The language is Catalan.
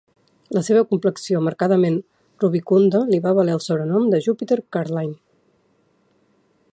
La seva complexió marcadament rubicunda li va valer el sobrenom de Jupiter Carlyle.